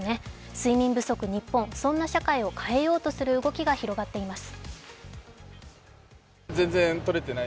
睡眠不足ニッポン、そんな社会を変えようとする動きが広がっています。